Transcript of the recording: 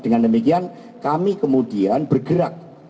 dengan demikian kami kemudian bergerak